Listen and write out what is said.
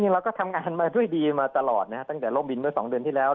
เราก็ทำงานมาด้วยดีมาตลอดตั้งแต่โลกบินเมื่อ๒เดือนที่แล้ว